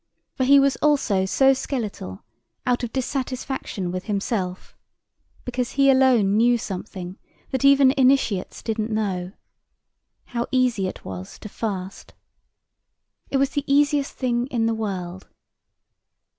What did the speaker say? For he was also so skeletal out of dissatisfaction with himself, because he alone knew something that even initiates didn't know—how easy it was to fast. It was the easiest thing in the world.